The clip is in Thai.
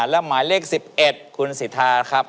และหมายเลขสิบเอ็ดคุณสิทาครับ